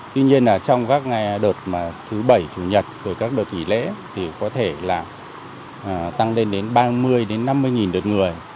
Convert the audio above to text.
tuy nhiên là trong các ngày đợt mà thứ bảy chủ nhật rồi các đợt nghỉ lễ thì có thể là tăng lên đến ba mươi đến năm mươi nghìn đợt người